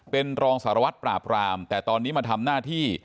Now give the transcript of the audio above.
เป็นรองสารวัตรปราบรามแต่ตอนนี้มาทำหน้าที่